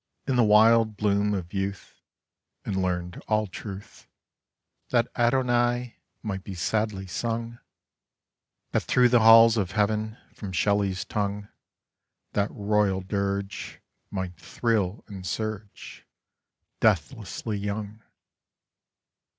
— in the wild ■ bloom of Youth, And learned all Truth, That " Adonai$ " might be sadly sung I — That throu^ the halls of heaven, from Shelley's tongue, That royal dii^e Might thrill and surge, Deathlessly young!